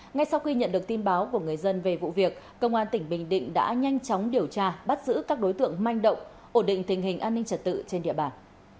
ngay sau khi nhận được tin báo của người dân về vụ việc công an tỉnh bình định đã nhanh chóng điều tra bắt giữ các đối tượng manh động ổn định tình hình an ninh trật tự trên địa bàn